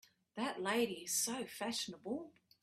That lady is so fashionable!